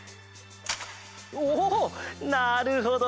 おなるほど！